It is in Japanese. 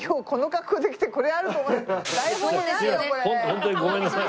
ホントにごめんなさい。